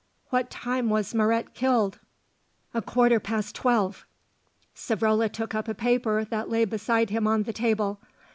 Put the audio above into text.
"What time was Moret killed?" "A quarter past twelve." Savrola took up a paper that lay beside him on the table.